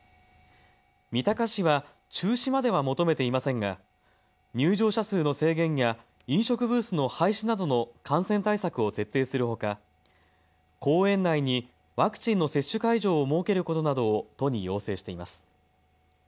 三鷹市は中止までは求めていませんが入場者数の制限や飲食ブースの廃止などの感染対策を徹底するほか公園内にワクチンの接種会場を設けることなどを都に要請しています。